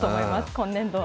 今年度は。